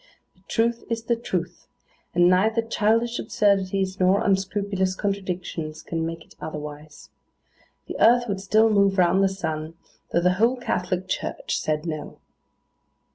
The truth is the truth; and neither childish absurdities, nor unscrupulous contradictions, can make it otherwise. The earth would still move round the sun, though the whole Catholic Church said No.